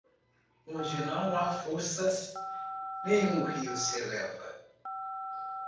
Onde não há forças, nenhum rio se eleva.